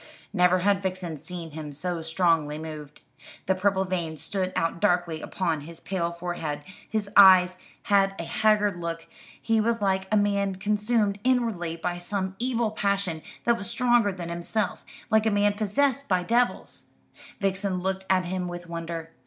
Never had Vixen seen him so strongly moved. The purple veins stood out darkly upon his pale forehead, his eyes had a haggard look; he was like a man consumed inwardly by some evil passion that was stronger than himself, like a man possessed by devils. Vixen looked at him with wonder.